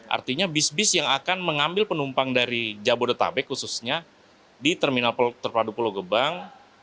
artinya bis bis yang akan mengambil penumpang dari jabodetabek khususnya di terminal terpadu pulau gebang